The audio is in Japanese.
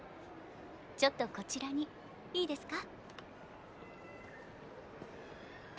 ちょっとこちらにいいですか？